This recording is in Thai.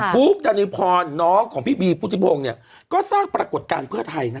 ปุ๊บดานิพรน้องของพี่บีพุทธิพงศ์เนี่ยก็สร้างปรากฏการณ์เพื่อไทยนะ